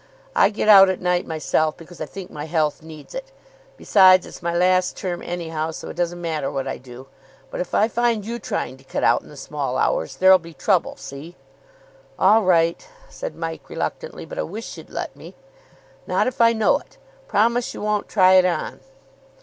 "I get out at night myself because I think my health needs it. Besides, it's my last term, anyhow, so it doesn't matter what I do. But if I find you trying to cut out in the small hours, there'll be trouble. See?" "All right," said Mike, reluctantly. "But I wish you'd let me." "Not if I know it. Promise you won't try it on."